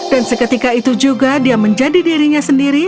dan seketika itu juga dia menjadi dirinya sendiri